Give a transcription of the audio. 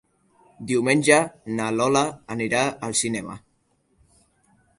Diumenge na Lola anirà al cinema.